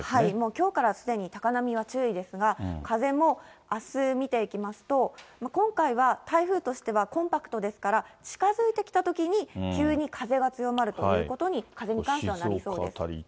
きょうからすでに高波が注意ですが、風もあす見ていきますと、今回は台風としてはコンパクトですから、近づいてきたときに、急に風が強まるということに、風に関してはなりそうです。